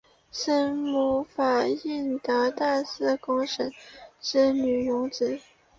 生母法印德大寺公审之女荣子。